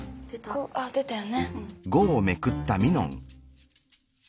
５。あ出たよね。